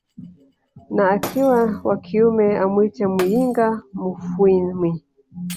na akiwa wa kiume amwite Muyinga mufwimi